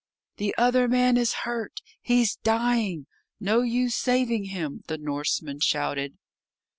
"The other man is hurt. He's dying. No use saving him," the Norseman shouted.